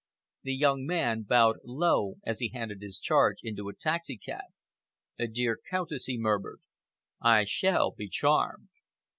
The young man bowed low as he handed his charge into a taxicab. "Dear Countess," he murmured, "I shall be charmed."